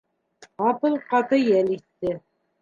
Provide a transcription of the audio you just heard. Ҡапыл ҡаты ел иҫте.